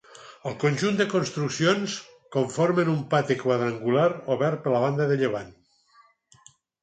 El conjunt de construccions conformen un pati quadrangular obert per la banda de llevant.